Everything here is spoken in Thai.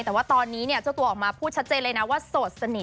แต่ว่าตอนนี้เนี่ยเจ้าตัวออกมาพูดชัดเจนเลยนะว่าโสดสนิท